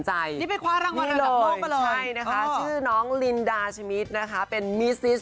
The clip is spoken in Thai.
ใจให้ไปกว่าเรากลับกันเลยเชื่อที่น้องลินดาชมิตนะคะเป็นมีพิษ